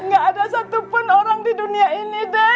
gak ada satupun orang di dunia ini dah